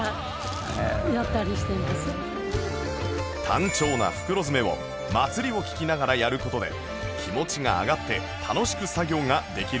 単調な袋詰めを『まつり』を聴きながらやる事で気持ちが上がって楽しく作業ができるそうです